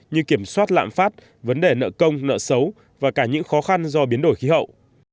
như kiểm soát lạm phát vấn đề nợ công nợ xấu và cả những khó khăn do biến đổi khí hậu